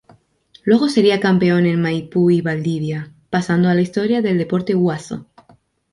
Luego sería campeón en Maipú y Valdivia, pasando a la historia del "deporte huaso".